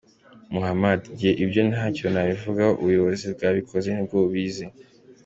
Muhamud: Njye ibyo ntacyo nabivugaho ubuyobozi bwabikoze nibwo bubizi.